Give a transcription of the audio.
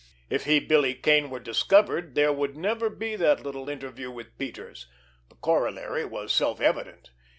If he, Billy Kane, were discovered there would never be that little interview with Peters! The corollary was self evident.